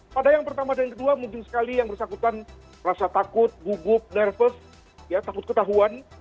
pada yang pertama dan kedua muncul sekali yang bersangkutan rasa takut gugup nervous takut ketahuan